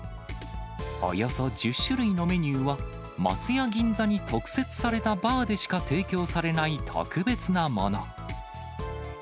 およそ１０種類のメニューは、松屋銀座に特設されたバーでしか提供されない特別なもの。